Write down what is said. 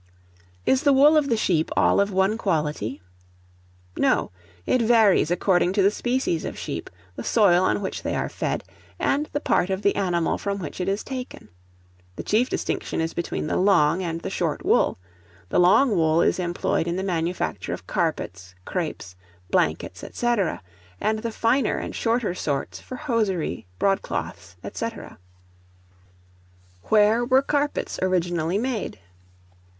Is the Wool of the sheep all of one quality? No; it varies according to the species of sheep, the soil on which they are fed, and the part of the animal from which it is taken: the chief distinction is between the long and the short wool; the long wool is employed in the manufacture of carpets, crapes, blankets, &c. and the finer and shorter sorts for hosiery, broadcloths &c. Where were Carpets originally made?